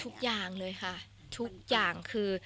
ทุกอย่างเลยค่ะทุกอย่างคือ